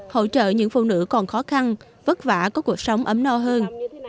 hỗ trợ những phụ nữ còn khó khăn vất vả có cuộc sống ấm no hơn